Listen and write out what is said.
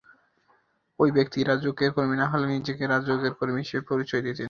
ওই ব্যক্তি রাজউকের কর্মী না হলেও নিজেকে রাজউকের কর্মী হিসেবে পরিচয় দিতেন।